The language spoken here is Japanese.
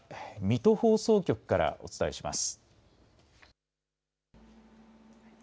水戸放送局からお伝えします。